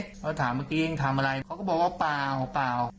เขาถามเมื่อกี้ยังทำอะไรเขาก็บอกว่าเปล่าเปล่า